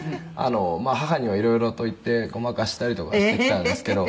「まあ母にはいろいろと言ってごまかしたりとかはしてきたんですけど」